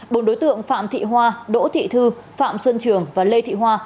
bốn đối tượng phạm thị hoa đỗ thị thư phạm xuân trường và lê thị hoa